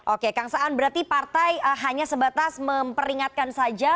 oke kang saan berarti partai hanya sebatas memperingatkan saja